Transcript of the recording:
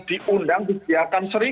diundang diberiakan seribu